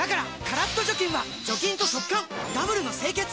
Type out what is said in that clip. カラッと除菌は除菌と速乾ダブルの清潔！